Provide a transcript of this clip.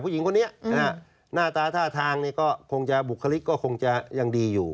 หน้าตาท่าทางเนี่ยก็คงจะบุคลิกก็คงจะยังดีอยู่